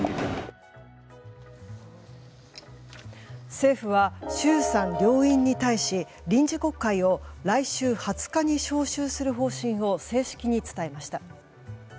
政府は衆参両院に対し臨時国会を来週２０日に召集する方針を正式に伝えました。